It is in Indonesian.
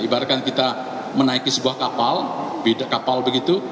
ibaratkan kita menaiki sebuah kapal begitu